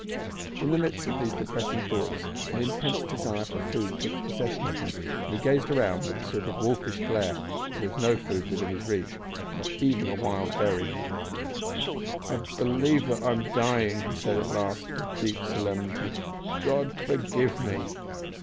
In the midst of these depressing thoughts an intense desire for food took possession of him, and he gazed around with a sort of wolfish glare, but there was no food within his reach not even a wild berry. "I believe that I am dying," he said at last, with deep solemnity. "God forgive me!